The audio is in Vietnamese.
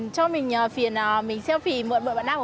cho mình xin phép selfie một hai kiểu nữa nhé